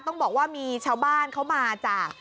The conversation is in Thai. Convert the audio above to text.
ต้องบอกว่ามีชาวบ้านเขามาจาก